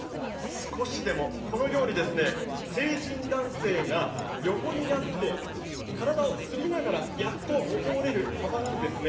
少しでも、このように成人男性が横になって体をすりながらやっと通れる幅なんですね。